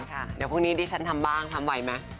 เดี๋ยวพรุ่งนี้ดิฉันทำบ้างทำไวไหม